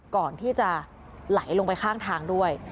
ก่อนที่จะไหลลงไปข้างทางด้วย